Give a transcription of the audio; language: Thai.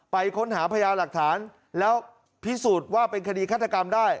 ไปค้นหาพยาหลักฐานแล้วพิสูจน์ว่าเป็นคดีฆาตกรรมได้